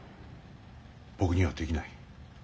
僕にはできない。